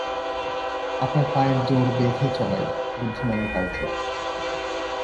আপনার পায়ের জোর বেঁধে চলাই বুদ্ধিমানের কার্য।